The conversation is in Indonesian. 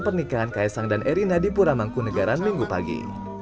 pernikahan kaya sang dan erina di pura mangku negara minggu pagi